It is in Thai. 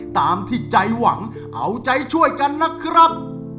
ตามที่ใจหวังเอาใจช่วยกันนะครับ